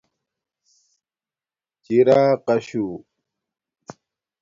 چیراقاشُݸ